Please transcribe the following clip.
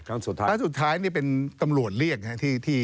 ครั้งสุดท้ายนี่เป็นตำรวจเรียกนะฮะ